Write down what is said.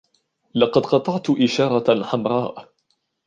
لقد قطعت إشارة حمراء.